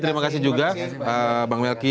terima kasih juga bang melki